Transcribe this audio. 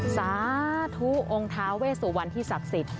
สาธุองค์ท้าเวสุวรรณที่ศักดิ์สิทธิ